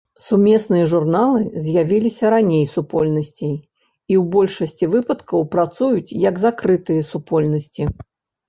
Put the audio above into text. Сумесныя журналы з'явіліся раней супольнасцей і ў большасці выпадкаў працуюць як закрытыя супольнасці.